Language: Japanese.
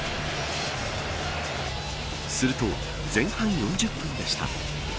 すると、前半４０分でした。